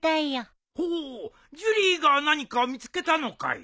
ほうジュリーが何か見つけたのかい？